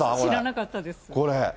知らなかったです。